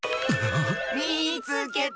みつけた！